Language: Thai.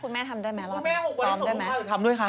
๖วันส่งรู้ค้าหรือธรรมด้วยค่ะ